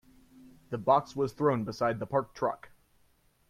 The box was thrown beside the parked truck.